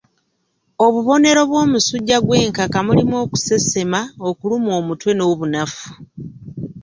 Obubonero bw'omusujja gw'enkaka mulimu okusesema, okulumwa omutwe n'obunafu.